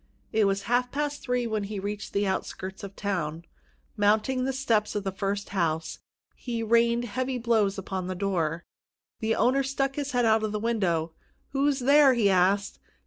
It was half past three when he reached the outskirts of the town. Mounting the steps of the first house, he rained heavy blows upon the door. The owner stuck his head out of a window. "Who's there?" he asked.